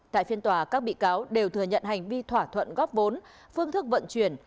tại phiên tòa các bị cáo đều thừa nhận hành vi thỏa thuận góp vốn phương thức vận chuyển